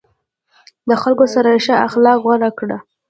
د خلکو سره ښه اخلاق غوره کړه.